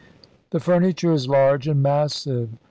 The furniture is large and massive.